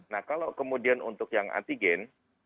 nah kalau kemudian untuk yang antigen